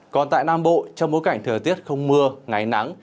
còn tại nam bộ trong bối cảnh thời tiết không mưa ngày nắng